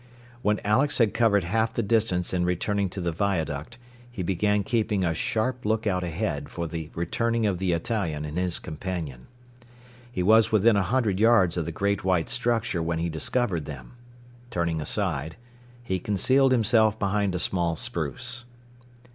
When Alex had covered half the distance in returning to the viaduct he began keeping a sharp lookout ahead for the returning of the Italian and his companion. He was within a hundred yards of the great white structure when he discovered them. Turning aside, he concealed himself behind a small spruce.